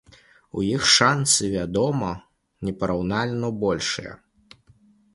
І ў іх шанцы, вядома, непараўнальна большыя.